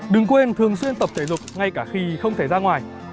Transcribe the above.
đừng quên thường xuyên tập thể dục ngay cả khi không thể ra ngoài